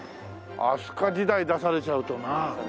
飛鳥時代出されちゃうとな。